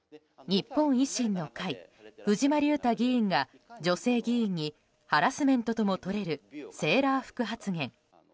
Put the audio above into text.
日本維新の会藤間隆太議員が女性議員にハラスメントともとれるセーラー服発言。